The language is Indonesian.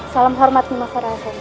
salam hormat nima farah